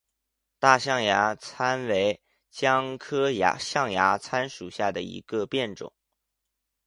大象牙参为姜科象牙参属下的一个变种。